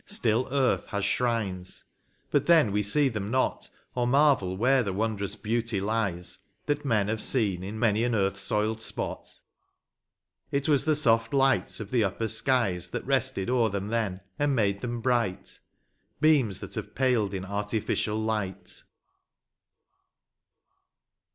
Still earth has shrines, but then we see them not. Or marvel where the wondrous beauty lies That men have seen in many an earth soiled spot ; It was the soft lights of the upper skies That rested o'er them then, and mo de them bright ; Seams that have paled in artificial light.